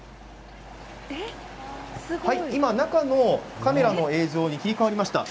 今、中のカメラの映像に切り替わりました。